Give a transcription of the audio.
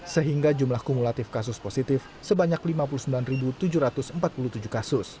sehingga jumlah kumulatif kasus positif sebanyak lima puluh sembilan tujuh ratus empat puluh tujuh kasus